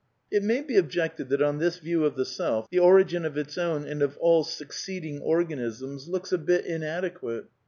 It may be objected that on this view of the self the origin of its own and of all succeeding organisms looks a bit inadequate.